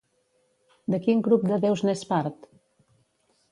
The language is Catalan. De quin grup de déus n'és part?